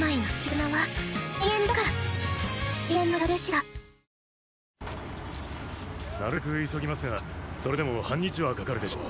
なるべく急ぎますがそれでも半日はかかるでしょう。